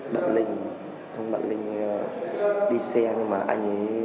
bọn linh thông bọn linh đi xe nhưng mà anh ấy